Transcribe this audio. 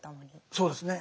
そうですね。